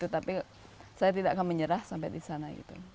tapi saya tidak akan menyerah sampai di sana